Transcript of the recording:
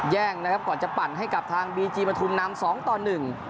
แย่งนะครับก่อนจะปั่นให้กับทางบีจีปฐุมนำสองต่อหนึ่ง